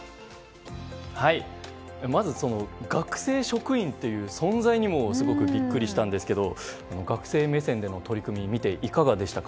まず、学生職員という存在にすごくビックリしたんですが学生目線での取り組みを見ていかがでしたか？